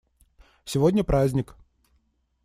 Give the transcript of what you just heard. Сегодня праздник.